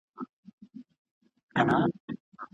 انسان د بدلون وړ موجود دی.